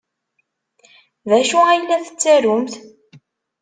D acu ay la tettarumt?